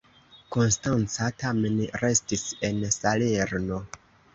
Konstanca tamen restis en Salerno.